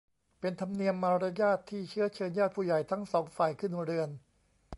เป็นธรรมเนียมมารยาทที่เชื้อเชิญญาติผู้ใหญ่ทั้งสองฝ่ายขึ้นเรือน